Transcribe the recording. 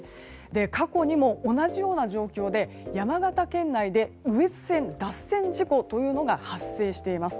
過去にも同じような状況で山形県内で羽越線脱線事故というのが発生しています。